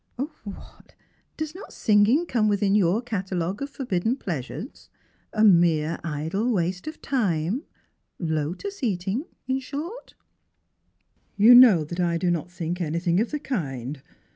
" What, does not singing come within your catalogue of for* 22 Strangers and Pilgrims. bidden pleasures — a mere idle waste of time — lotos eating, in short?" " You know that I do not think anything of the kind.